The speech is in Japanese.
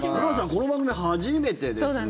この番組初めてですね。